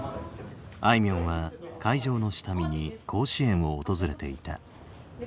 あいみょんは会場の下見に甲子園を訪れていた。